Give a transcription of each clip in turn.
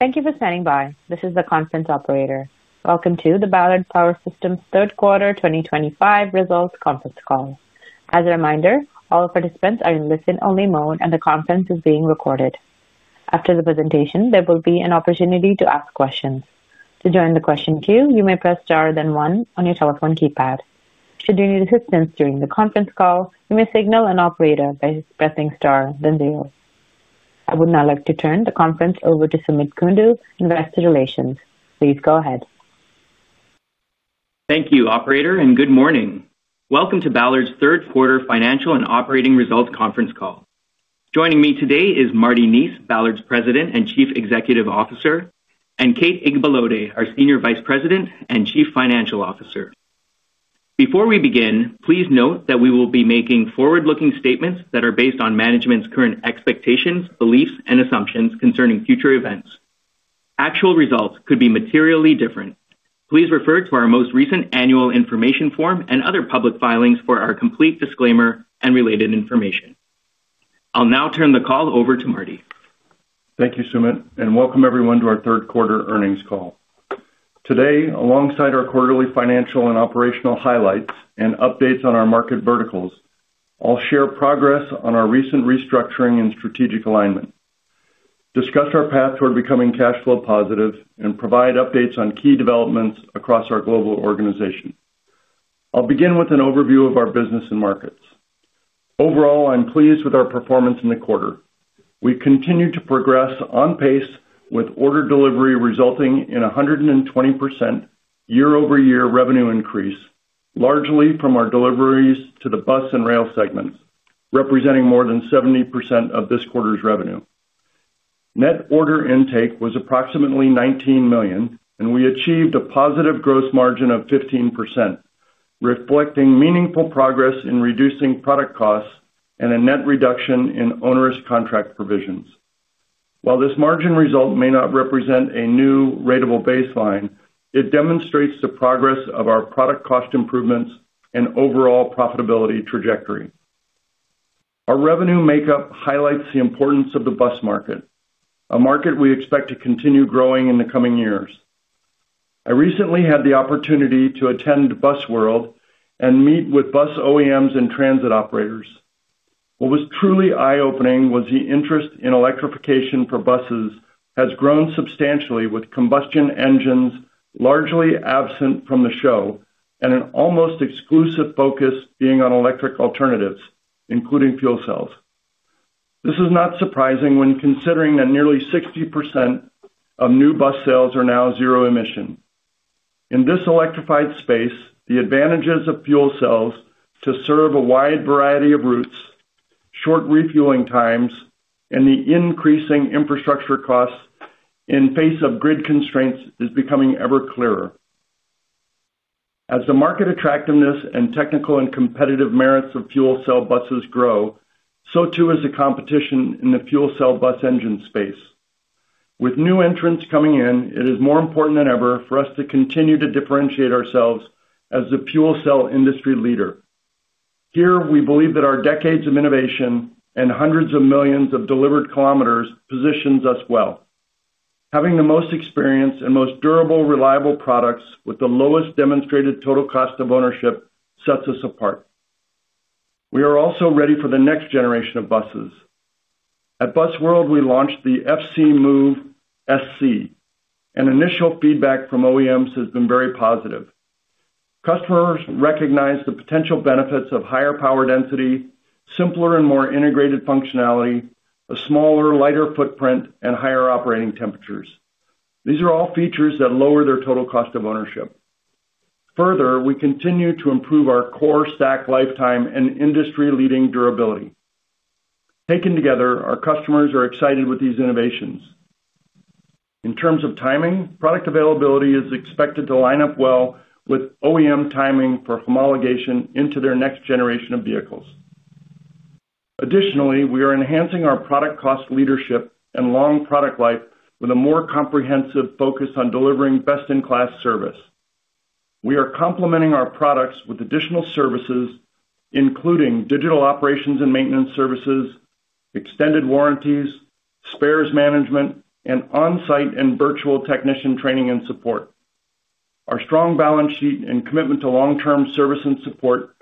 Thank you for standing by. This is the conference operator. Welcome to the Ballard Power Systems' third quarter 2025 results conference call. As a reminder, all participants are in listen-only mode, and the conference is being recorded. After the presentation, there will be an opportunity to ask questions. To join the question queue, you may press star then one on your telephone keypad. Should you need assistance during the conference call, you may signal an operator by pressing star then zero. I would now like to turn the conference over to Sumit Kundu, Investor Relations. Please go ahead. Thank you, Operator, and good morning. Welcome to Ballard's third quarter financial and operating results conference call. Joining me today is Marty Neese, Ballard's President and Chief Executive Officer, and Kate Igbalode, our Senior Vice President and Chief Financial Officer. Before we begin, please note that we will be making forward-looking statements that are based on management's current expectations, beliefs, and assumptions concerning future events. Actual results could be materially different. Please refer to our most recent annual information form and other public filings for our complete disclaimer and related information. I'll now turn the call over to Marty. Thank you, Sumit, and welcome everyone to our third quarter earnings call. Today, alongside our quarterly financial and operational highlights and updates on our market verticals, I'll share progress on our recent restructuring and strategic alignment, discuss our path toward becoming cash flow positive, and provide updates on key developments across our global organization. I'll begin with an overview of our business and markets. Overall, I'm pleased with our performance in the quarter. We continue to progress on pace, with order delivery resulting in a 120% year-over-year revenue increase, largely from our deliveries to the bus and rail segments, representing more than 70% of this quarter's revenue. Net order intake was approximately $19 million, and we achieved a positive gross margin of 15%, reflecting meaningful progress in reducing product costs and a net reduction in onerous contract provisions. While this margin result may not represent a new ratable baseline, it demonstrates the progress of our product cost improvements and overall profitability trajectory. Our revenue makeup highlights the importance of the bus market, a market we expect to continue growing in the coming years. I recently had the opportunity to attend Busworld and meet with bus OEMs and transit operators. What was truly eye-opening was the interest in electrification for buses has grown substantially, with combustion engines largely absent from the show and an almost exclusive focus being on electric alternatives, including fuel cells. This is not surprising when considering that nearly 60% of new bus sales are now zero-emission. In this electrified space, the advantages of fuel cells to serve a wide variety of routes, short refueling times, and the increasing infrastructure costs in face of grid constraints is becoming ever clearer. As the market attractiveness and technical and competitive merits of fuel cell buses grow, so too is the competition in the fuel cell bus engine space. With new entrants coming in, it is more important than ever for us to continue to differentiate ourselves as the fuel cell industry leader. Here, we believe that our decades of innovation and hundreds of millions of delivered kilometers positions us well. Having the most experienced and most durable, reliable products with the lowest demonstrated total cost of ownership sets us apart. We are also ready for the next generation of buses. At Busworld, we launched the FCmove-SC, and initial feedback from OEMs has been very positive. Customers recognize the potential benefits of higher power density, simpler and more integrated functionality, a smaller, lighter footprint, and higher operating temperatures. These are all features that lower their total cost of ownership. Further, we continue to improve our core stack lifetime and industry-leading durability. Taken together, our customers are excited with these innovations. In terms of timing, product availability is expected to line up well with OEM timing for homologation into their next generation of vehicles. Additionally, we are enhancing our product cost leadership and long product life with a more comprehensive focus on delivering best-in-class service. We are complementing our products with additional services, including digital operations and maintenance services, extended warranties, spares management, and on-site and virtual technician training and support. Our strong balance sheet and commitment to long-term service and support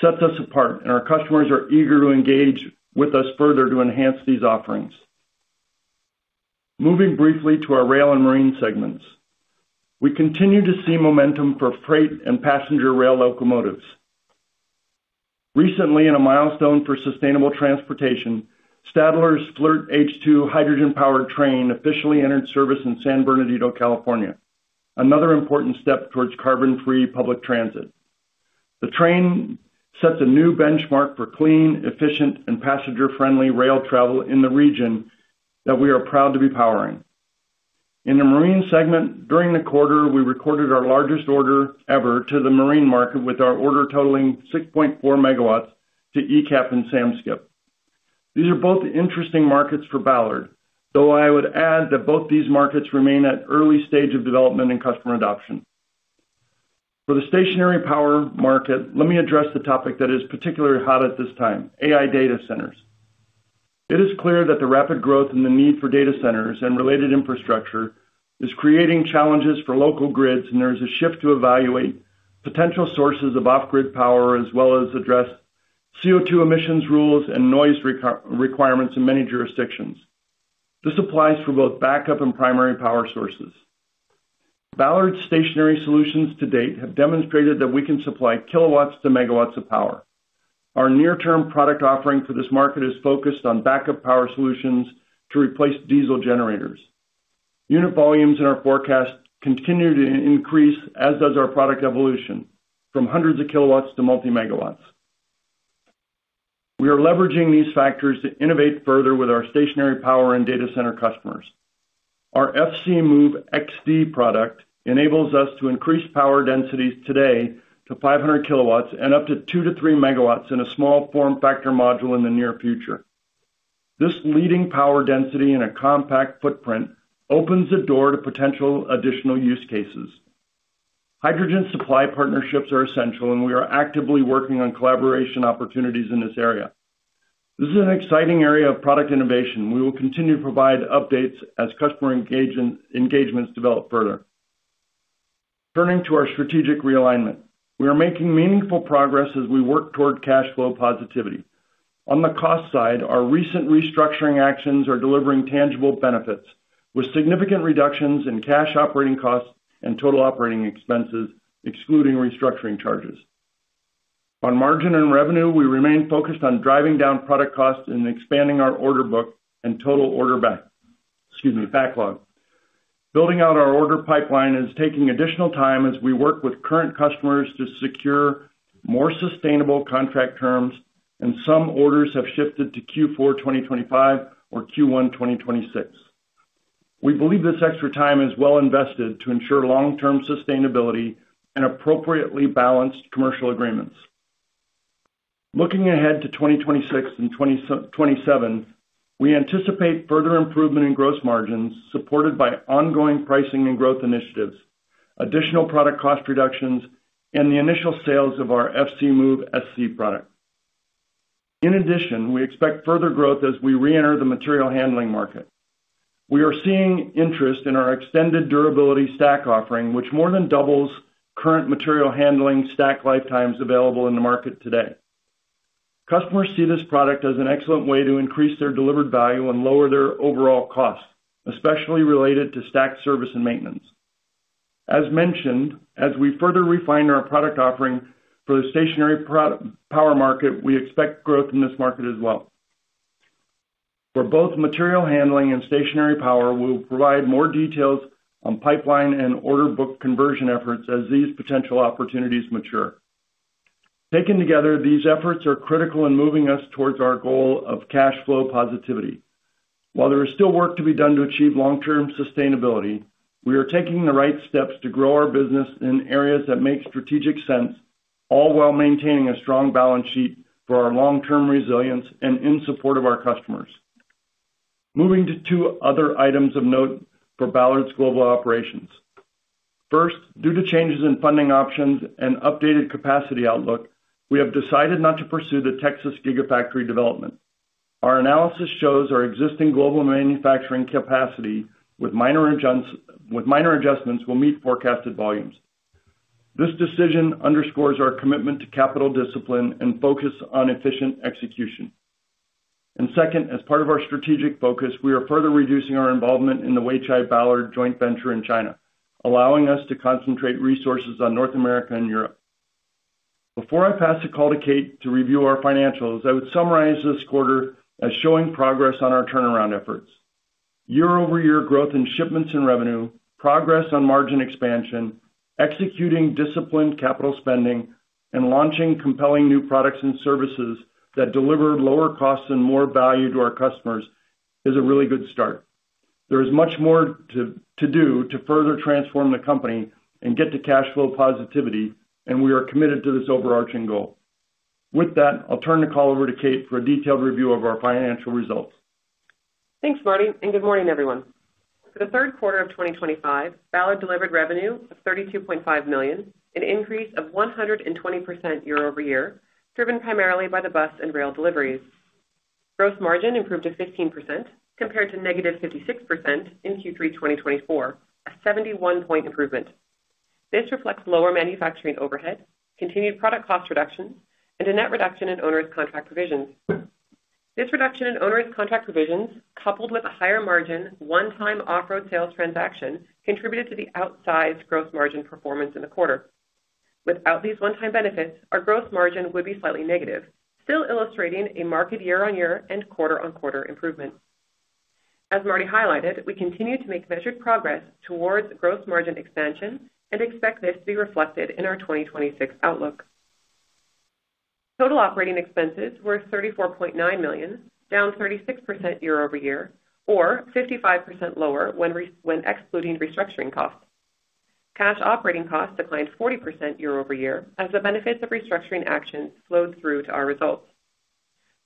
sets us apart, and our customers are eager to engage with us further to enhance these offerings. Moving briefly to our rail and marine segments, we continue to see momentum for freight and passenger rail locomotives. Recently, in a milestone for sustainable transportation, Stadler's Flirt H2 hydrogen-powered train officially entered service in San Bernardino, California, another important step towards carbon-free public transit. The train sets a new benchmark for clean, efficient, and passenger-friendly rail travel in the region that we are proud to be powering. In the marine segment, during the quarter, we recorded our largest order ever to the marine market with our order totaling 6.4 MW to eCap and Samskip. These are both interesting markets for Ballard, though I would add that both these markets remain at early stage of development and customer adoption. For the stationary power market, let me address the topic that is particularly hot at this time: AI data centers. It is clear that the rapid growth and the need for data centers and related infrastructure is creating challenges for local grids, and there is a shift to evaluate potential sources of off-grid power as well as address CO2 emissions rules and noise requirements in many jurisdictions. This applies for both backup and primary power sources. Ballard's stationary solutions to date have demonstrated that we can supply kilowatts to megawatts of power. Our near-term product offering for this market is focused on backup power solutions to replace diesel generators. Unit volumes in our forecast continue to increase, as does our product evolution, from hundreds of kilowatts to multi-megawatts. We are leveraging these factors to innovate further with our stationary power and data center customers. Our FCmove XD product enables us to increase power densities today to 500 KW and up to 2 MW-3 MW in a small form factor module in the near future. This leading power density and a compact footprint opens the door to potential additional use cases. Hydrogen supply partnerships are essential, and we are actively working on collaboration opportunities in this area. This is an exciting area of product innovation, and we will continue to provide updates as customer engagements develop further. Turning to our strategic realignment, we are making meaningful progress as we work toward cash flow positivity. On the cost side, our recent restructuring actions are delivering tangible benefits, with significant reductions in cash operating costs and total operating expenses, excluding restructuring charges. On margin and revenue, we remain focused on driving down product costs and expanding our order book and total order backlog. Building out our order pipeline is taking additional time as we work with current customers to secure more sustainable contract terms, and some orders have shifted to Q4 2025 or Q1 2026. We believe this extra time is well invested to ensure long-term sustainability and appropriately balanced commercial agreements. Looking ahead to 2026 and 2027, we anticipate further improvement in gross margins supported by ongoing pricing and growth initiatives, additional product cost reductions, and the initial sales of our FCmove-SC product. In addition, we expect further growth as we re-enter the material handling market. We are seeing interest in our extended durability stack offering, which more than doubles current material handling stack lifetimes available in the market today. Customers see this product as an excellent way to increase their delivered value and lower their overall costs, especially related to stack service and maintenance. As mentioned, as we further refine our product offering for the stationary power market, we expect growth in this market as well. For both material handling and stationary power, we will provide more details on pipeline and order book conversion efforts as these potential opportunities mature. Taken together, these efforts are critical in moving us towards our goal of cash flow positivity. While there is still work to be done to achieve long-term sustainability, we are taking the right steps to grow our business in areas that make strategic sense, all while maintaining a strong balance sheet for our long-term resilience and in support of our customers. Moving to two other items of note for Ballard's global operations. First, due to changes in funding options and updated capacity outlook, we have decided not to pursue the Texas Gigafactory development. Our analysis shows our existing global manufacturing capacity with minor adjustments will meet forecasted volumes. This decision underscores our commitment to capital discipline and focus on efficient execution. Second, as part of our strategic focus, we are further reducing our involvement in the Weichai Ballard joint venture in China, allowing us to concentrate resources on North America and Europe. Before I pass the call to Kate to review our financials, I would summarize this quarter as showing progress on our turnaround efforts. Year-over-year growth in shipments and revenue, progress on margin expansion, executing disciplined capital spending, and launching compelling new products and services that deliver lower costs and more value to our customers is a really good start. There is much more to do to further transform the company and get to cash flow positivity, and we are committed to this overarching goal. With that, I'll turn the call over to Kate for a detailed review of our financial results. Thanks, Marty, and good morning, everyone. For the third quarter of 2025, Ballard delivered revenue of $32.5 million, an increase of 120% year-over-year, driven primarily by the bus and rail deliveries. Gross margin improved to 15% compared to -56% in Q3 2024, a 71-point improvement. This reflects lower manufacturing overhead, continued product cost reductions, and a net reduction in onerous contract provisions. This reduction in onerous contract provisions, coupled with a higher margin one-time off-road sales transaction, contributed to the outsized gross margin performance in the quarter. Without these one-time benefits, our gross margin would be slightly negative, still illustrating a marked year-on-year and quarter-on-quarter improvement. As Marty highlighted, we continue to make measured progress towards gross margin expansion and expect this to be reflected in our 2026 outlook. Total operating expenses were $34.9 million, down 36% year-over-year, or 55% lower when excluding restructuring costs. Cash operating costs declined 40% year-over-year as the benefits of restructuring actions flowed through to our results.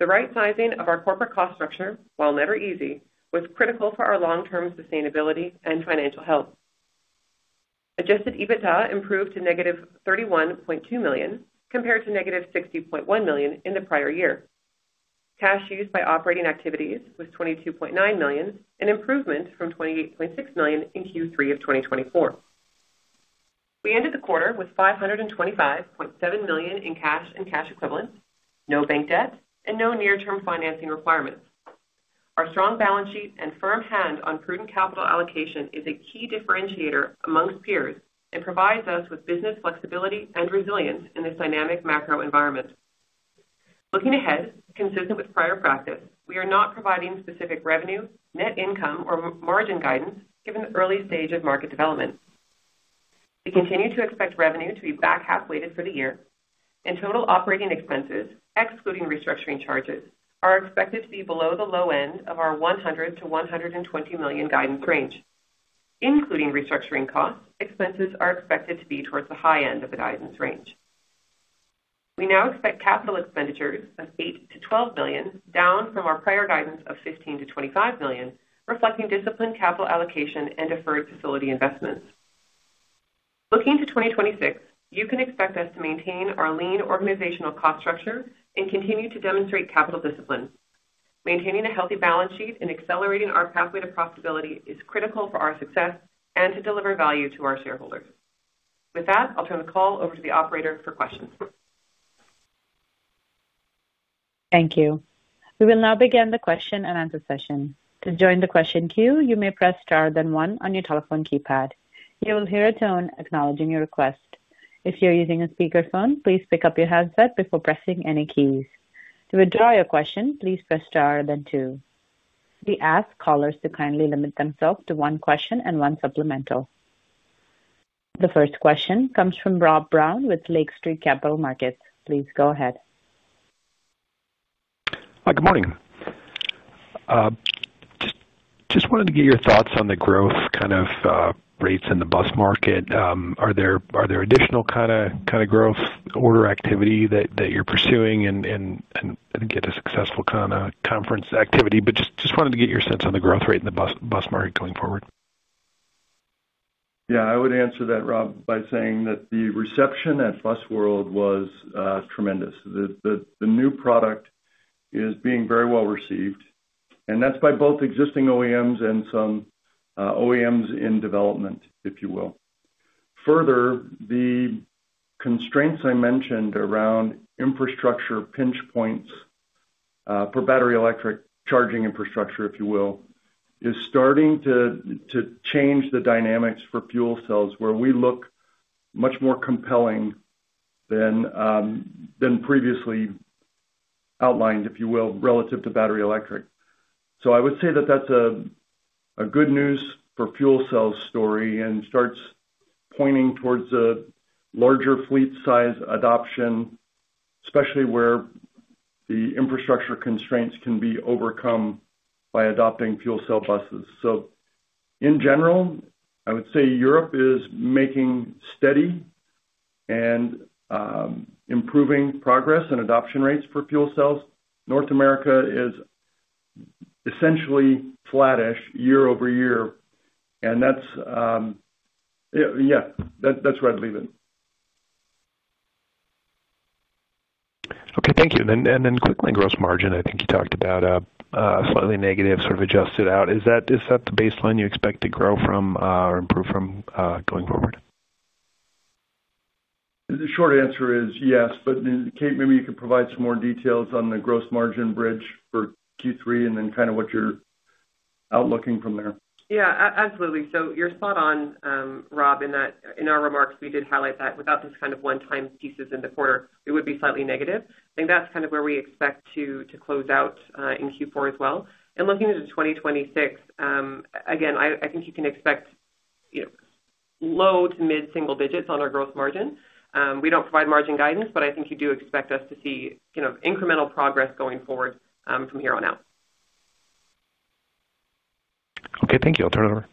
The right sizing of our corporate cost structure, while never easy, was critical for our long-term sustainability and financial health. Adjusted EBITDA improved to -$31.2 million compared to -$60.1 million in the prior year. Cash used by operating activities was $22.9 million, an improvement from $28.6 million in Q3 of 2024. We ended the quarter with $525.7 million in cash and cash equivalents, no bank debt, and no near-term financing requirements. Our strong balance sheet and firm hand on prudent capital allocation is a key differentiator amongst peers and provides us with business flexibility and resilience in this dynamic macro environment. Looking ahead, consistent with prior practice, we are not providing specific revenue, net income, or margin guidance given the early stage of market development. We continue to expect revenue to be back half-weighted for the year, and total operating expenses, excluding restructuring charges, are expected to be below the low end of our $100 million-$120 million guidance range. Including restructuring costs, expenses are expected to be towards the high end of the guidance range. We now expect capital expenditures of $8 million-$12 million, down from our prior guidance of $15 million-$25 million, reflecting disciplined capital allocation and deferred facility investments. Looking to 2026, you can expect us to maintain our lean organizational cost structure and continue to demonstrate capital discipline. Maintaining a healthy balance sheet and accelerating our pathway to profitability is critical for our success and to deliver value to our shareholders. With that, I'll turn the call over to the operator for questions. Thank you. We will now begin the question and answer session. To join the question queue, you may press star then one on your telephone keypad. You will hear a tone acknowledging your request. If you're using a speakerphone, please pick up your handset before pressing any keys. To withdraw your question, please press star then two. We ask callers to kindly limit themselves to one question and one supplemental. The first question comes from Rob Brown with Lake Street Capital Markets. Please go ahead. Good morning. Just wanted to get your thoughts on the growth kind of rates in the bus market. Are there additional kind of growth order activity that you're pursuing and get a successful kind of conference activity? Just wanted to get your sense on the growth rate in the bus market going forward. Yeah, I would answer that, Rob, by saying that the reception at Busworld was tremendous. The new product is being very well received, and that's by both existing OEMs and some OEMs in development, if you will. Further, the constraints I mentioned around infrastructure pinch points for battery electric charging infrastructure, if you will, is starting to change the dynamics for fuel cells where we look much more compelling than previously outlined, if you will, relative to battery electric. I would say that that's a good news for fuel cells story and starts pointing towards a larger fleet size adoption, especially where the infrastructure constraints can be overcome by adopting fuel cell buses. In general, I would say Europe is making steady and improving progress and adoption rates for fuel cells. North America is essentially flattish year-over-year, and that's where I'd leave it. Okay, thank you. Quickly on gross margin, I think you talked about a slightly negative, sort of adjusted out. Is that the baseline you expect to grow from or improve from going forward? The short answer is yes, but Kate, maybe you could provide some more details on the gross margin bridge for Q3 and then kind of what you're outlooking from there. Yeah, absolutely. You're spot on, Rob, in our remarks. We did highlight that without these kind of one-time pieces in the quarter, it would be slightly negative. I think that's kind of where we expect to close out in Q4 as well. Looking to 2026, again, I think you can expect low to mid-single digits on our gross margin. We don't provide margin guidance, but I think you do expect us to see incremental progress going forward from here on out. Okay, thank you. I'll turn it over.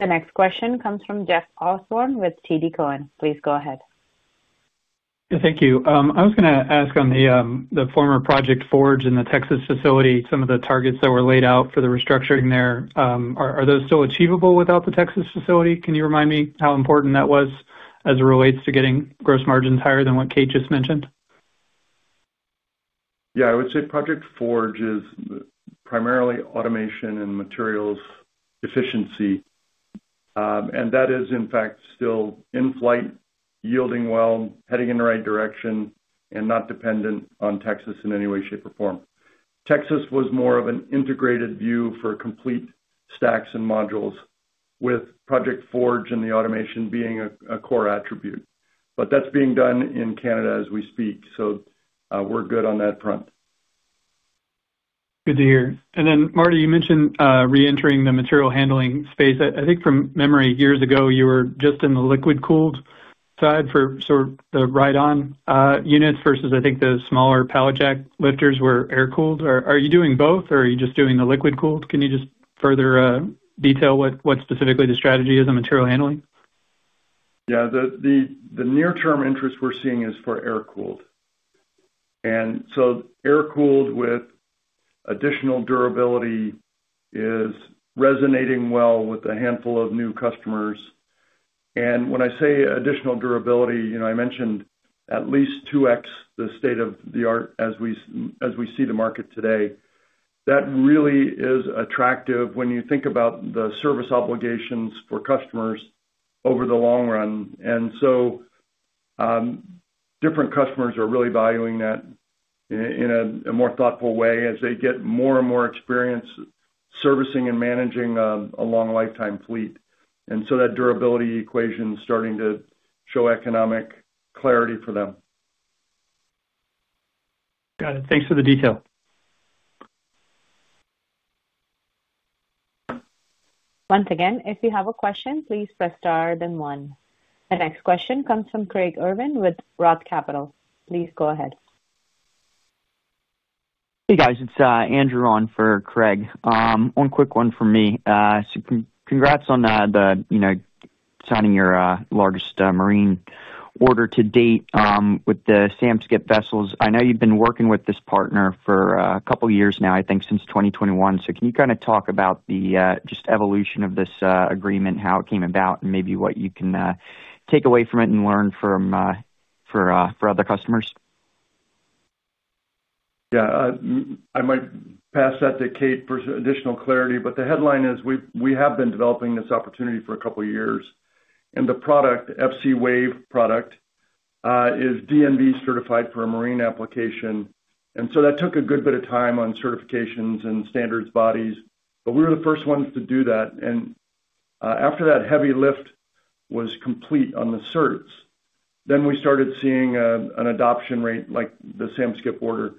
The next question comes from Jeff Osborne with TD Cowen. Please go ahead. Thank you. I was going to ask on the former Project Forge in the Texas facility, some of the targets that were laid out for the restructuring there, are those still achievable without the Texas facility? Can you remind me how important that was as it relates to getting gross margins higher than what Kate just mentioned? Yeah, I would say Project Forge is primarily automation and materials efficiency, and that is, in fact, still in flight, yielding well, heading in the right direction, and not dependent on Texas in any way, shape, or form. Texas was more of an integrated view for complete stacks and modules, with Project Forge and the automation being a core attribute. That is being done in Canada as we speak, so we're good on that front. Good to hear. Marty, you mentioned re-entering the material handling space. I think from memory, years ago, you were just in the liquid-cooled side for sort of the ride-on units versus, I think, the smaller pallet jack lifters were air-cooled. Are you doing both, or are you just doing the liquid-cooled? Can you just further detail what specifically the strategy is on material handling? Yeah, the near-term interest we're seeing is for air-cooled. Air-cooled with additional durability is resonating well with a handful of new customers. When I say additional durability, I mentioned at least 2x the state of the art as we see the market today. That really is attractive when you think about the service obligations for customers over the long run. Different customers are really valuing that in a more thoughtful way as they get more and more experience servicing and managing a long lifetime fleet. That durability equation is starting to show economic clarity for them. Got it. Thanks for the detail. Once again, if you have a question, please press star then one. The next question comes from Craig Irwin with ROTH Capital. Please go ahead. Hey, guys. It's Andrew on for Craig. One quick one from me. Congrats on signing your largest marine order to date with the Samskip vessels. I know you've been working with this partner for a couple of years now, I think since 2021. Can you kind of talk about just the evolution of this agreement, how it came about, and maybe what you can take away from it and learn from for other customers? Yeah, I might pass that to Kate for additional clarity, but the headline is we have been developing this opportunity for a couple of years, and the product, FCwave product, is DNV certified for a marine application. That took a good bit of time on certifications and standards bodies, but we were the first ones to do that. After that heavy lift was complete on the certs, we started seeing an adoption rate like the Samskip order.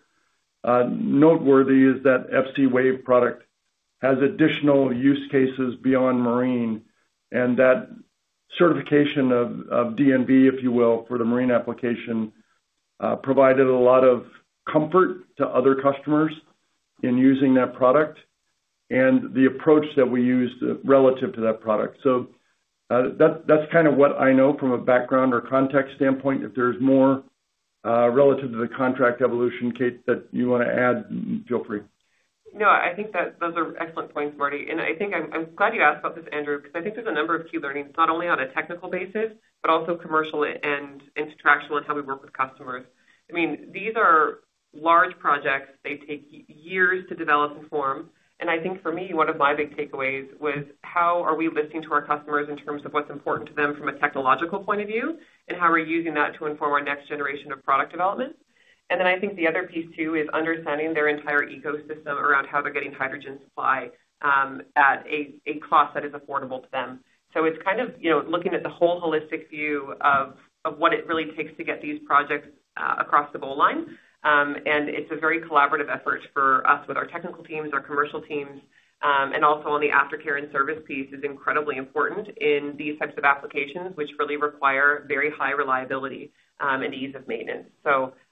Noteworthy is that FCwave product has additional use cases beyond marine, and that certification of DNV, if you will, for the marine application provided a lot of comfort to other customers in using that product and the approach that we used relative to that product. That is kind of what I know from a background or context standpoint. If there's more relative to the contract evolution, Kate, that you want to add, feel free. No, I think that those are excellent points, Marty. I think I'm glad you asked about this, Andrew, because I think there's a number of key learnings, not only on a technical basis, but also commercial and intellectual and how we work with customers. I mean, these are large projects. They take years to develop and form. I think for me, one of my big takeaways was how are we listening to our customers in terms of what's important to them from a technological point of view and how we're using that to inform our next generation of product development. I think the other piece too is understanding their entire ecosystem around how they're getting hydrogen supply at a cost that is affordable to them. It's kind of looking at the whole holistic view of what it really takes to get these projects across the goal line. It's a very collaborative effort for us with our technical teams, our commercial teams, and also on the aftercare and service piece is incredibly important in these types of applications, which really require very high reliability and ease of maintenance.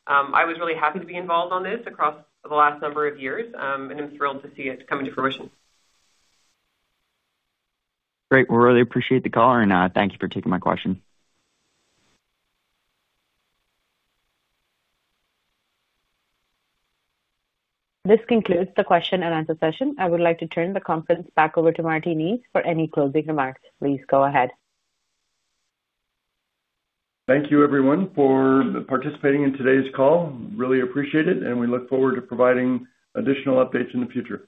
I was really happy to be involved on this across the last number of years, and I'm thrilled to see it come into fruition. Great. I really appreciate the call, and thank you for taking my question. This concludes the question-and-answer session. I would like to turn the conference back over to Marty for any closing remarks. Please go ahead. Thank you, everyone, for participating in today's call. Really appreciate it, and we look forward to providing additional updates in the future.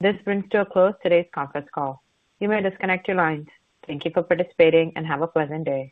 This brings to a close today's conference call. You may disconnect your lines. Thank you for participating, and have a pleasant day.